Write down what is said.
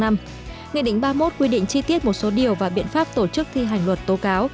nghị định ba mươi một quy định chi tiết một số điều và biện pháp tổ chức thi hành luật tố cáo